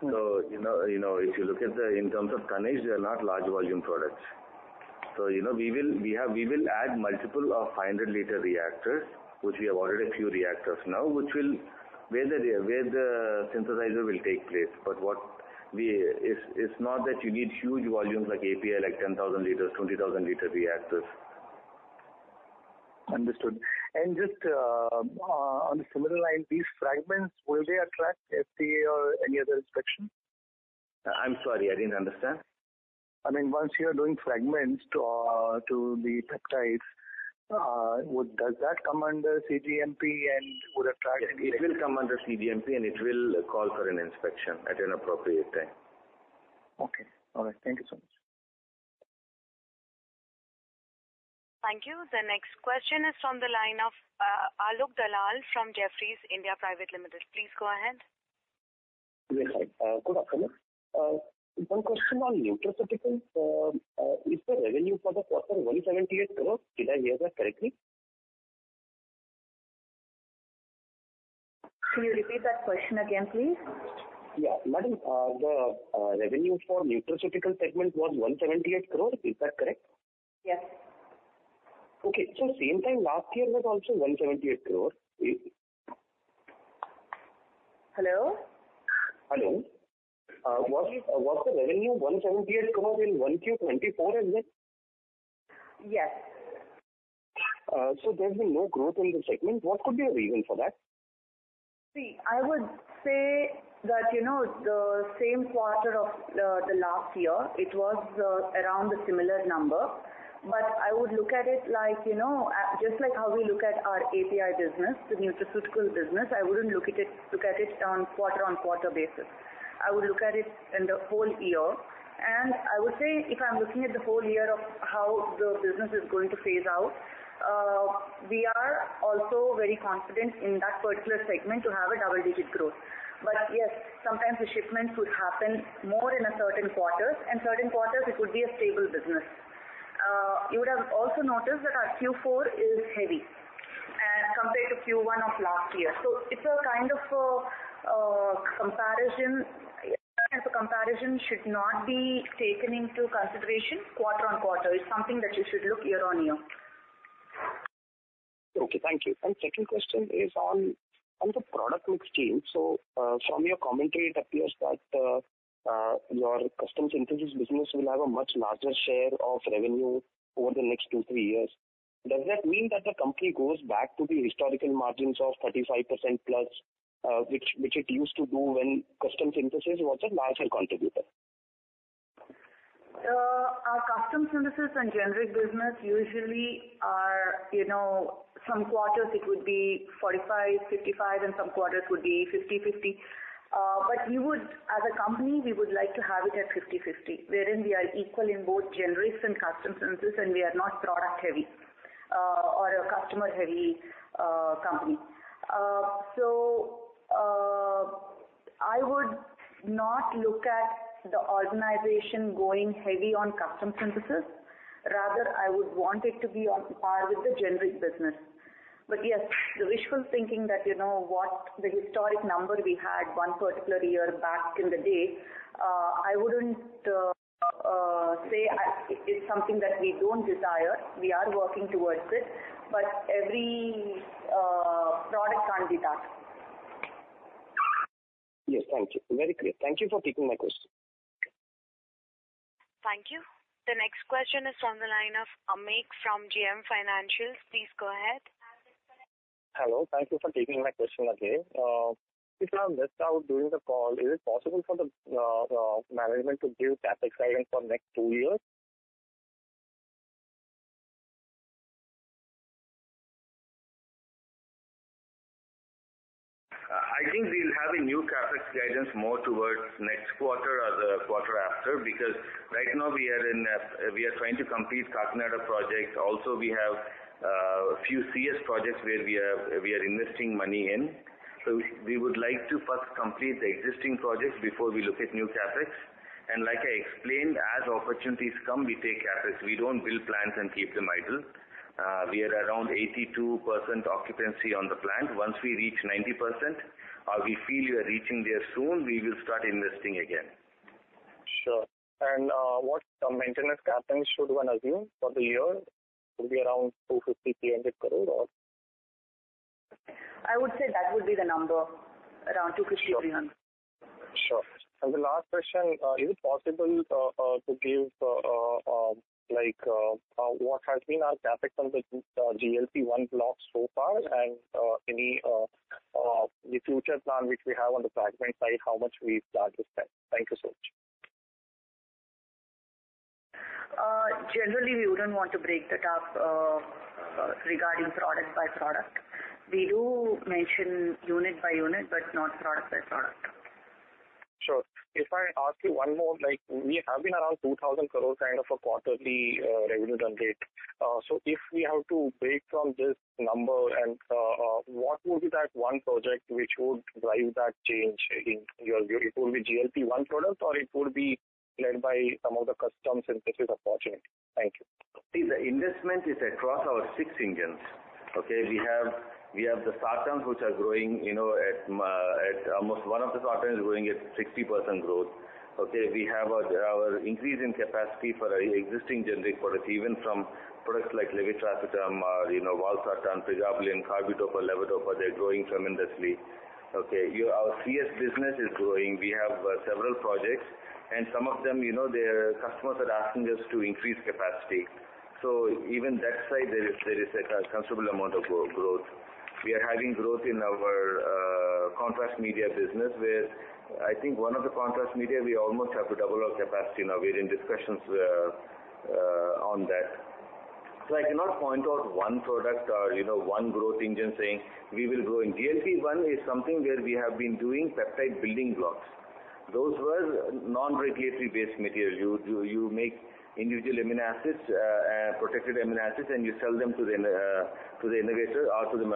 So, you know, if you look at them in terms of tonnage, they are not large volume products. So, you know, we will add multiple 100 L reactors, which we have ordered a few reactors now, where the synthesizer will take place. But what we, it's not that you need huge volumes like API, like 10,000 L, 20,000-L reactors. Understood. And just on a similar line, these fragments, will they attract FDA or any other inspection? I'm sorry, I didn't understand. I mean, once you are doing fragments to the peptides, does that come under CGMP and would attract any? It will come under CGMP, and it will call for an inspection at an appropriate time. Okay. All right. Thank you so much. Thank you. The next question is from the line of Alok Dalal from Jefferies India Private Limited. Please go ahead. Yes, hi. Good afternoon. One question on nutraceutical. Is the revenue for the quarter 178 crore? Did I hear that correctly? Can you repeat that question again, please? Yeah. Madam, the revenue for nutraceutical segment was 178 crore. Is that correct? Yes. Okay. So same time last year was also 178 crore? Hello? Hello. Was the revenue 178 crore in 1Q 2024 and then? Yes. So there's been no growth in the segment. What could be a reason for that? See, I would say that, you know, the same quarter of the last year, it was around a similar number. But I would look at it like, you know, just like how we look at our API business, the nutraceutical business, I wouldn't look at it, look at it on quarter-on-quarter basis. I would look at it in the whole year. And I would say, if I'm looking at the whole year of how the business is going to phase out, we are also very confident in that particular segment to have a double-digit growth. But yes, sometimes the shipments would happen more in a certain quarters, and certain quarters it would be a stable business. You would have also noticed that our Q4 is heavy compared to Q1 of last year. So it's a kind of comparison. Yeah, the comparison should not be taken into consideration quarter-over-quarter. It's something that you should look year-over-year. Okay, thank you. Second question is on the product mix change. So, from your commentary, it appears that your custom synthesis business will have a much larger share of revenue over the next two, three years. Does that mean that the company goes back to the historical margins of 35% plus, which it used to do when custom synthesis was a larger contributor? Our custom synthesis and generic business usually are, you know, some quarters it would be 45-55, and some quarters it would be 50/50. But we would, as a company, we would like to have it at 50/50, wherein we are equal in both generics and custom synthesis, and we are not product heavy, or a customer heavy, company. So, I would not look at the organization going heavy on custom synthesis. Rather, I would want it to be on par with the generic business. But yes, the wishful thinking that, you know, what the historic number we had one particular year back in the day, I wouldn't say it's something that we don't desire. We are working towards it, but every product can't be that. Yes, thank you. Very clear. Thank you for taking my question. Thank you. The next question is from the line of Amit from JM Financials. Please go ahead. Hello, thank you for taking my question again. If I missed out during the call, is it possible for the management to give CapEx guidance for next two years? I think we'll have a new CapEx guidance more towards next quarter or the quarter after, because right now we are trying to complete Kakinada project. Also, we have a few CS projects where we are investing money in. So we would like to first complete the existing projects before we look at new CapEx. And like I explained, as opportunities come, we take CapEx. We don't build plants and keep them idle. We are around 82% occupancy on the plant. Once we reach 90%, or we feel we are reaching there soon, we will start investing again. Sure. And, what maintenance CapEx should one assume for the year? It will be around 250 crore-300 crore, or? I would say that would be the number, around 250-300. Sure. And the last question, is it possible to give, like, what has been our CapEx on the GLP-1 block so far? And, the future plan which we have on the fragment side, how much we plan to spend? Thank you so much. Generally, we wouldn't want to break that up, regarding product by product. We do mention unit by unit, but not product by product. Sure. If I ask you one more, like, we have been around 2,000 crore, kind of, a quarterly revenue run rate. So if we have to break from this number, and what would be that one project which would drive that change in your view? It would be GLP-1 product, or it would be led by some of the custom synthesis opportunity? Thank you. See, the investment is across our six engines. Okay, we have, we have the sartans, which are growing, you know, at, at almost one of the sartans is growing at 60% growth. Okay, we have a, our increase in capacity for our existing generic products, even from products like levetiracetam or, you know, valsartan, pregabalin, carbidopa, levodopa, they're growing tremendously. Okay, our CS business is growing. We have, several projects, and some of them, you know, their customers are asking us to increase capacity. So even that side, there is, there is a considerable amount of grow, growth. We are having growth in our, contrast media business, where I think one of the contrast media, we almost have to double our capacity now. We're in discussions, on that. So I cannot point out one product or, you know, one growth engine saying, "We will grow." In GLP-1 is something where we have been doing peptide building blocks. Those were non-regulatory based material. You make individual amino acids, protected amino acids, and you sell them to the innovator or to the,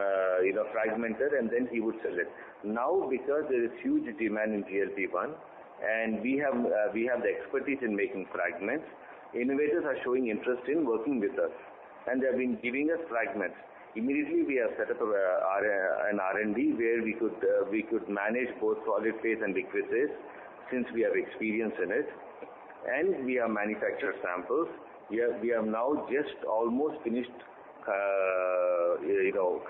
you know, fragmenter, and then he would sell it. Now, because there is huge demand in GLP-1, and we have the expertise in making fragments, innovators are showing interest in working with us, and they have been giving us fragments. Immediately, we have set up an R&D, where we could manage both solid phase and liquid phase, since we have experience in it, and we have manufactured samples. We have now just almost finished, you know,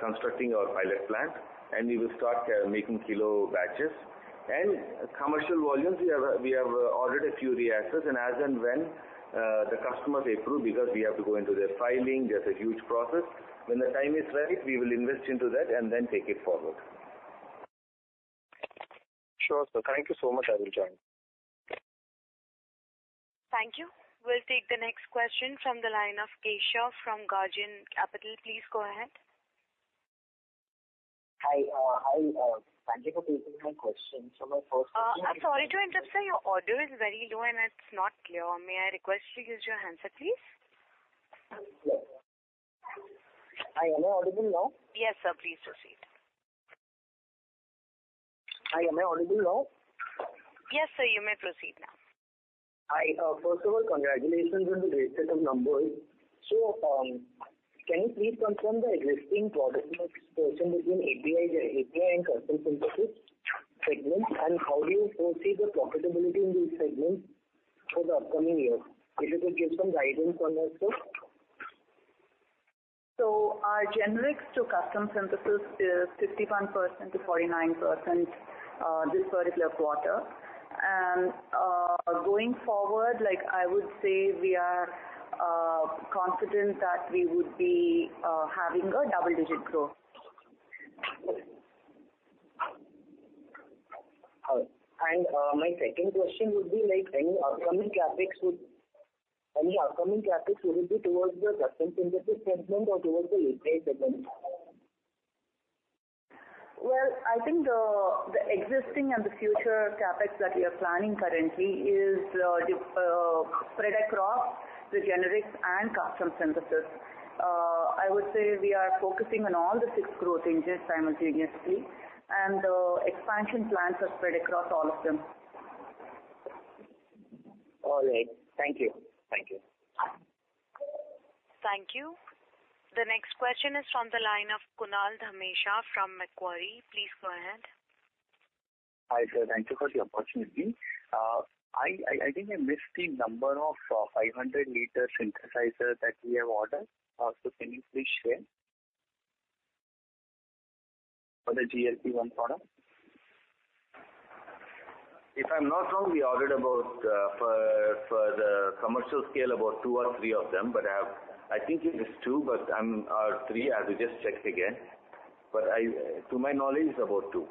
constructing our pilot plant, and we will start making kilo batches. Commercial volumes, we have ordered a few reactors, and as and when the customers approve, because we have to go into their filing, there's a huge process. When the time is right, we will invest into that and then take it forward. Sure, sir. Thank you so much. I will join. Thank you. We'll take the next question from the line of Keshav from Guardian Capital. Please go ahead. Hi, hi, thank you for taking my question. So my first question- I'm sorry to interrupt, sir. Your audio is very low, and it's not clear. May I request you to use your handset, please? Sure. Am I audible now? Yes, sir. Please proceed. Hi, am I audible now? Yes, sir, you may proceed now. Hi, first of all, congratulations on the great set of numbers. Can you please confirm the existing product mix between API, API and custom synthesis segments, and how do you foresee the profitability in these segments for the upcoming years? If you could give some guidance on that, too. Our generics to custom synthesis is 51%-49%, this particular quarter. Going forward, like, I would say we are confident that we would be having a double-digit growth. All right. My second question would be, like, any upcoming CapEx would... Any upcoming CapEx will be towards the custom synthesis segment or towards the API segment? Well, I think the existing and the future CapEx that we are planning currently is spread across the generics and custom synthesis. I would say we are focusing on all the six growth engines simultaneously, and the expansion plans are spread across all of them. All right. Thank you. Thank you. Thank you. The next question is from the line of Kunal Dhamesha from Macquarie. Please go ahead. Hi, sir, thank you for the opportunity. I think I missed the number of 500 L synthesizers that we have ordered. So can you please share? For the GLP-1 product. If I'm not wrong, we ordered about, for the commercial scale, about 2 or 3 of them, but I have I think it is 2, but I'm, or 3, I will just check again. But I, to my knowledge, it's about 2.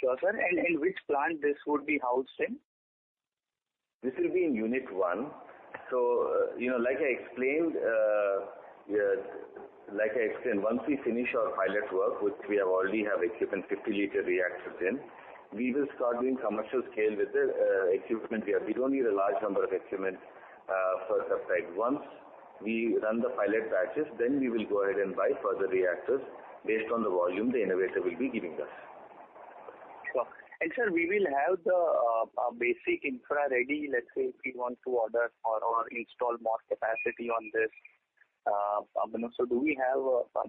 Sure, sir. And which plant this would be housed in? This will be in Unit 1. You know, like I explained, once we finish our pilot work, which we have already have equipment, 50 L reactors in, we will start doing commercial scale with the equipment here. We don't need a large number of equipment for peptide. Once we run the pilot batches, then we will go ahead and buy further reactors based on the volume the innovator will be giving us. Sure. And, sir, we will have the basic infra ready, let's say, if we want to order or install more capacity on this, so do we have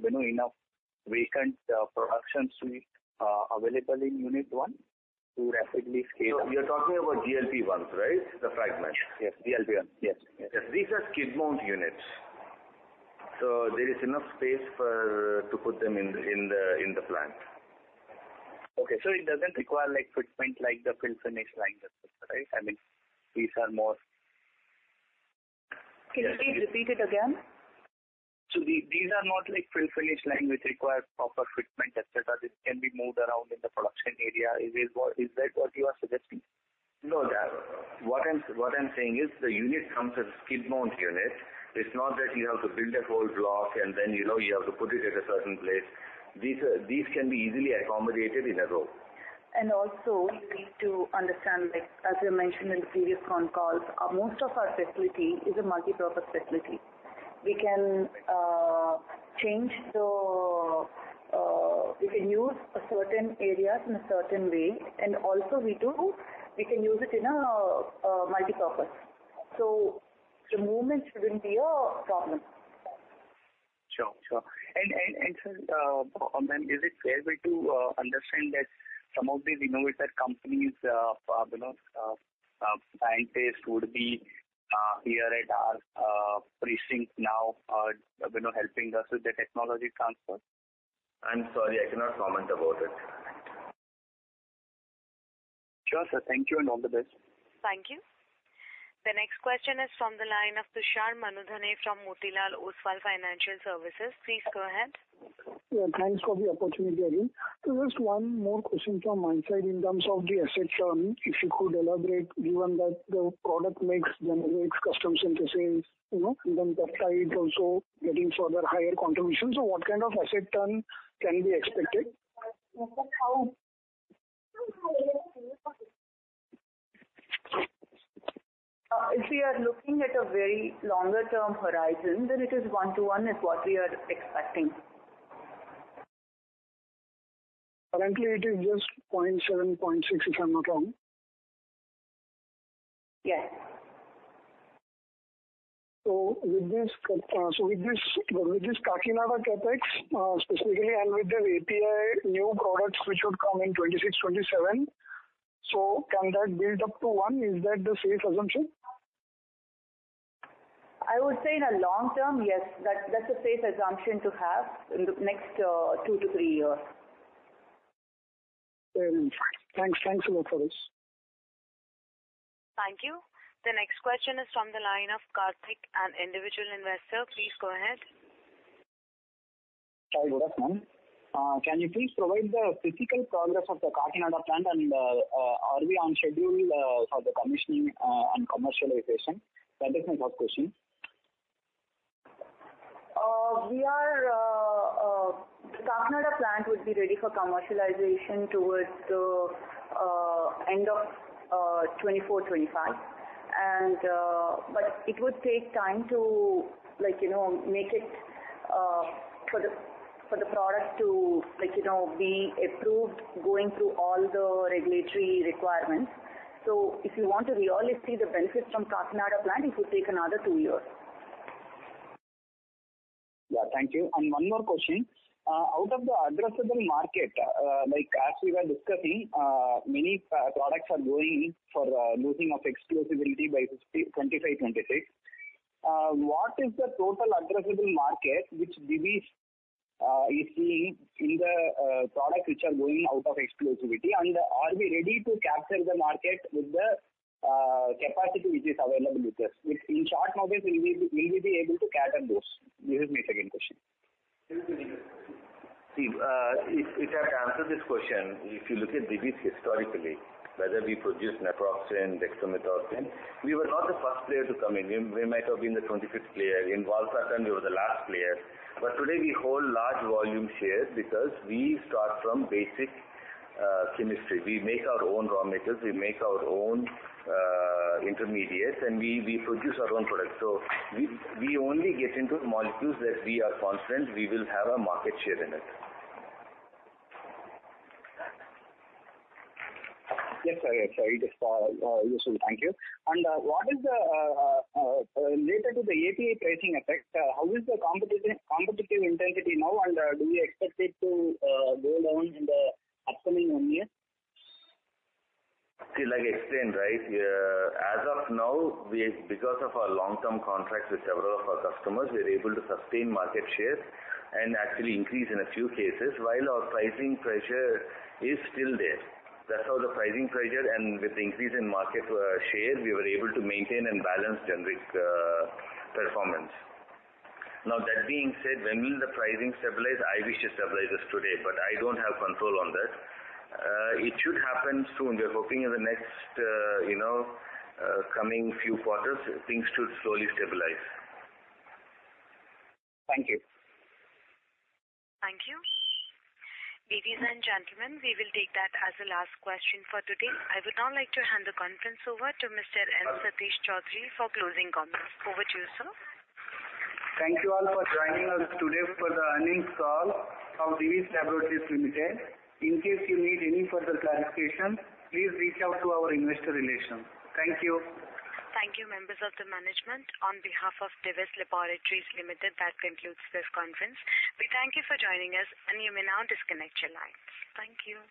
enough vacant production suite available in Unit 1 to rapidly scale up? You're talking about GLP-1, right? The fragments. Yes, GLP-1. Yes, yes. These are skid mount units, so there is enough space to put them in the plant. Okay. So it doesn't require, like, fitment, like the fill-finish line, right? I mean, these are more- Can you please repeat it again? So these are not like fill-finish line, which require proper fitment, et cetera. This can be moved around in the production area. Is it, is that what you are suggesting? No, that. What I'm saying is the unit comes as a skid mount unit. It's not that you have to build a whole block, and then, you know, you have to put it at a certain place. These can be easily accommodated in a row. And also, you need to understand, like, as we mentioned in the previous con calls, most of our facility is a multipurpose facility. We can use a certain areas in a certain way, and also we do, we can use it in a multipurpose. So the movement shouldn't be a problem. Sure, sure. And, sir, then is it fair way to understand that some of these innovator companies, you know, scientists would be here at our premises now, you know, helping us with the technology transfer? I'm sorry, I cannot comment about it. Sure, sir. Thank you and all the best. Thank you. The next question is from the line of Tushar Manudhane from Motilal Oswal Financial Services. Please go ahead. Yeah, thanks for the opportunity again. So just one more question from my side in terms of the asset turn, if you could elaborate, given that the product makes, generates custom synthesis, you know, and then peptide also getting further higher contribution. So what kind of asset turn can be expected? If we are looking at a very longer term horizon, then it is 1 to 1 is what we are expecting. Currently, it is just 0.7, 0.6, if I'm not wrong. Yes. So with this Kakinada CapEx, specifically and with the API new products which would come in 2026, 2027, so can that build up to 1? Is that the safe assumption? I would say in the long term, yes, that, that's a safe assumption to have in the next, 2-3 years. Very nice. Thanks. Thanks a lot for this. Thank you. The next question is from the line of Karthik, an individual investor. Please go ahead. Hi, good afternoon. Can you please provide the physical progress of the Kakinada plant, and are we on schedule for the commissioning and commercialization? That is my first question. We are, Kakinada plant would be ready for commercialization towards the end of 2024, 2025. And, but it would take time to, like, you know, make it, for the, for the product to, like, you know, be approved, going through all the regulatory requirements. So if you want to really see the benefit from Kakinada plant, it will take another 2 years. Yeah. Thank you. And one more question. Out of the addressable market, like, as we were discussing, many products are going for loss of exclusivity by 2025, 2026. What is the total addressable market which Divi's is seeing in the products which are going out of exclusivity? And are we ready to capture the market with the capacity which is available with us? In short, will we be able to cater those? This is my second question. See, if I have to answer this question, if you look at Divi's historically, whether we produce naproxen, dexamethasone, we were not the first player to come in. We might have been the 25th player. In valsartan, we were the last player. But today we hold large volume shares because we start from basic chemistry. We make our own raw materials, we make our own intermediates, and we produce our own products. So we only get into molecules that we are confident we will have a market share in it. Yes, sir. Yes, useful. Thank you. What is the related to the API pricing effect, how is the competitive intensity now, and do you expect it to go down in the upcoming one year? See, like I explained, right, as of now, because of our long-term contracts with several of our customers, we're able to sustain market share and actually increase in a few cases, while our pricing pressure is still there. That's how the pricing pressure and with the increase in market, share, we were able to maintain and balance generic, performance. Now, that being said, when will the pricing stabilize? I wish it stabilizes today, but I don't have control on that. It should happen soon. We are hoping in the next, you know, coming few quarters, things should slowly stabilize. Thank you. Thank you. Ladies and gentlemen, we will take that as the last question for today. I would now like to hand the conference over to Mr. M. Satish Choudhury for closing comments. Over to you, sir. Thank you all for joining us today for the earnings call of Divi's Laboratories Limited. In case you need any further clarification, please reach out to our investor relations. Thank you. Thank you, members of the management. On behalf of Divi's Laboratories Limited, that concludes this conference. We thank you for joining us, and you may now disconnect your lines. Thank you.